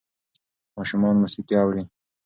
ماشومان موسیقي اوري.